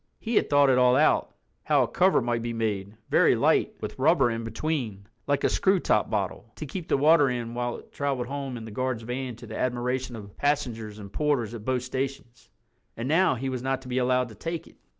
He had thought it all out—how a cover might be made, very light, with rubber in between, like a screw top bottle, to keep the water in while it traveled home in the guard's van to the admiration of passengers and porters at both stations. And now—he was not to be allowed to take it.